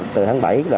từ tháng bảy